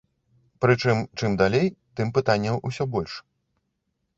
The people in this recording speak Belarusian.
Прычым чым далей, тым пытанняў усё больш.